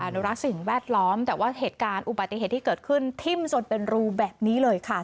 นุรักษ์สิ่งแวดล้อมแต่ว่าเหตุการณ์อุบัติเหตุที่เกิดขึ้นทิ้มจนเป็นรูแบบนี้เลยค่ะ